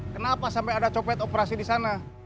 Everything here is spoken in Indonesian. kenapa sampai ada copet operasi di sana